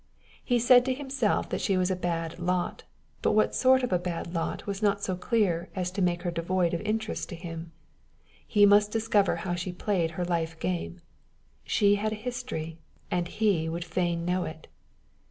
He said to himself that she was a bad lot, but what sort of a bad lot was not so clear as to make her devoid of interest to him; he must discover how she played her life game; she had a history, and he would fain know it.